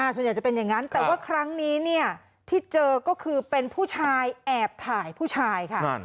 ส่วนใหญ่จะเป็นอย่างนั้นแต่ว่าครั้งนี้ที่เจอก็คือเป็นผู้ชายแอบถ่ายผู้ชายค่ะ